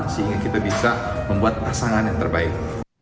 sehingga kita bisa membuat pasangan yang terbaik